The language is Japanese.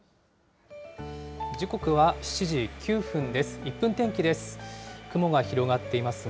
時刻は７時９分です。